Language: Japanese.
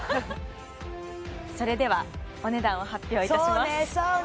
それではお値段を発表いたしますそうね